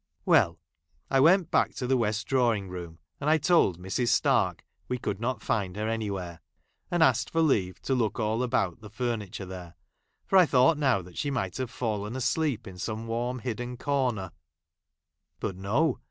Well, I went back to , the west drawing room, and I told Mrs. Stark we could not find her anywhere, and asked for leave to look all about the furniture there, for I thought now, that she might j have fallen asleep in some warm hidden , corner ; but no